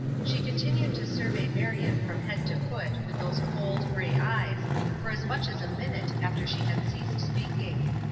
She continued to survey Marion from head to foot with those cold, gray eyes, for as much as a minute after she had ceased speaking.